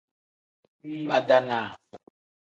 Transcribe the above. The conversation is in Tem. Badaanaa.